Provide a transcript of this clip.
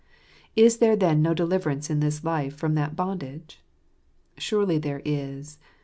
Is there then no deliverance in this life from that bondage? Surely there is.